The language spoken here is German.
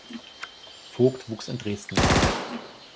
Voigt wuchs in Dresden auf.